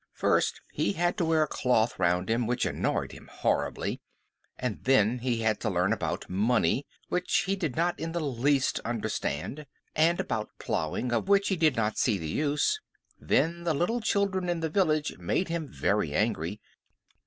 First he had to wear a cloth round him, which annoyed him horribly; and then he had to learn about money, which he did not in the least understand, and about plowing, of which he did not see the use. Then the little children in the village made him very angry.